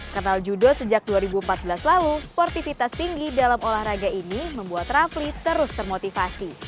kenal judo sejak dua ribu empat belas lalu sportivitas tinggi dalam olahraga ini membuat rafli terus termotivasi